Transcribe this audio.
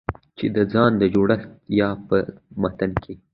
چې د ځان د جوړښت يا په متن کې